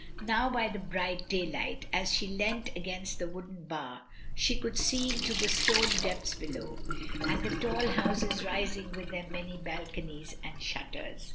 Now by the bright daylight, as she leant against the wooden bar, she could see into the stone depths below, and the tall houses rising with their many balconies and shutters.